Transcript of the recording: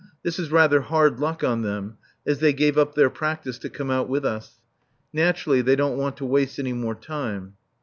This is rather hard luck on them, as they gave up their practice to come out with us. Naturally, they don't want to waste any more time.